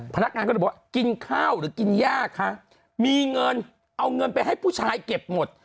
พนักงานก็เลยบอกว่ากินข้าวหรือกินยากคะมีเงินเอาเงินไปให้ผู้ชายเก็บหมด